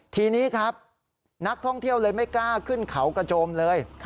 ทีนี้ครับนักท่องเที่ยวเลยไม่กล้าขึ้นเขากระโจมเลย